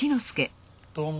どうも。